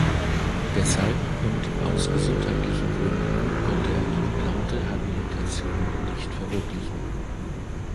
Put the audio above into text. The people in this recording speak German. Deshalb und aus gesundheitlichen Gründen konnte er die geplante Habilitation nicht verwirklichen.